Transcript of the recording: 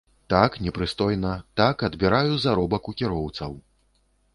Так, непрыстойна, так, адбіраю заробак у кіроўцаў.